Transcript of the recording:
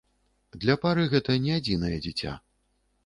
Для пары гэты не адзінае дзіця.